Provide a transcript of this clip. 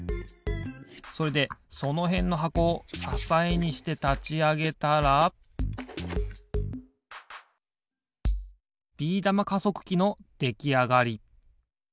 それでそのへんのはこをささえにしてたちあげたらできあがり。